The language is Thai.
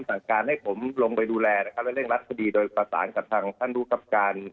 จากการให้ผมลงไปดูแลไปเร่งรัฐศาสตร์ดีด้วยภาษารกับท่านรูปรับการ